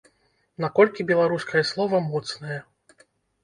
Наколькі беларускае слова моцнае?